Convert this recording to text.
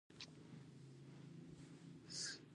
ایا ستاسو بوټونه به راحت نه وي؟